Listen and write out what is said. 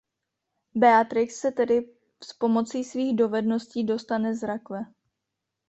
Beatrix se tedy s pomocí svých dovedností dostane z rakve.